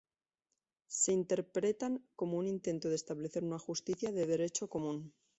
Se interpretan como un intento de establecer una justicia de derecho común.